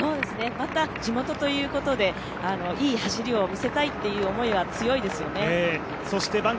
また、地元ということで、いい走りを見せたいという思いは強いですよね。